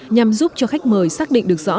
nhằm giúp cho khách mời xác định được rõ